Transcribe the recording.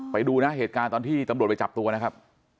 ไปดูนะเหตุการณ์ตอนที่ตำรวจไปจับตัวนะครับ